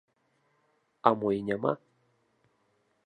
А мо і няма.